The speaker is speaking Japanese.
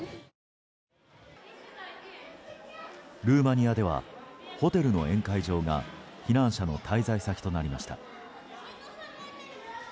ルーマニアではホテルの宴会場が避難者の滞在先となりました。